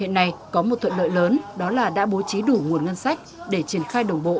hiện nay có một thuận lợi lớn đó là đã bố trí đủ nguồn ngân sách để triển khai đồng bộ